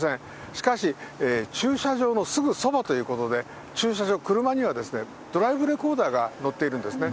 しかし、駐車場のすぐそばということで、駐車場、車にはドライブレコーダーが載っているんですね。